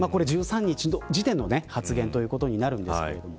１３日時点の発言ということになるんですけども。